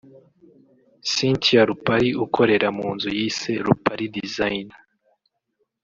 Cynthia Rupari ukorera mu nzu yise Rupari Design